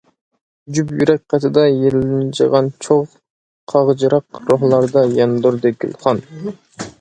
جۈپ يۈرەك قېتىدا يېلىنجىغان چوغ قاغجىراق روھلاردا ياندۇردى گۈلخان.